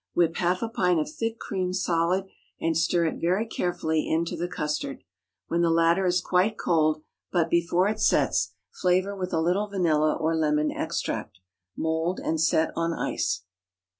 Whip half a pint of thick cream solid, and stir it very carefully into the custard; when the latter is quite cold, but before it sets, flavor with a little vanilla or lemon extract. Mould and set on ice.